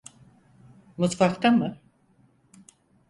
Mutfakta mı?